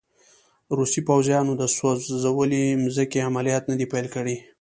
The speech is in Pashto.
روسي پوځیانو د سوځولې مځکې عملیات نه دي پیل کړي.